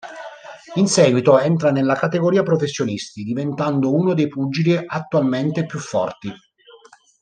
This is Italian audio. In seguito entra nella categoria professionisti diventando uno dei pugili attualmente più forti.